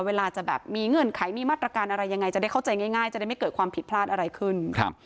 เวลาจะแบบมีเงื่อนไขมีมาตรการอะไรยังไงจะได้เข้าใจง่ายจะได้ไม่เกิดความผิดพลาดอะไรขึ้นครับ